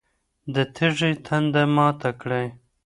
د تږي تنده ماته کړئ.